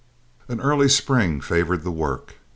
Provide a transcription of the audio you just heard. An early spring favored the work.